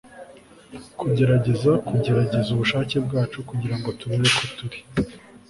kugerageza kugerageza ubushake bwacu kugirango turebe ko turi